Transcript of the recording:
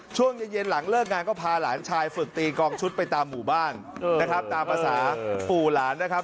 ช่วงเย็นหลังเลิกงานก็พาหลานชายฝึกตีกองชุดไปตามหมู่บ้านนะครับตามภาษาปู่หลานนะครับ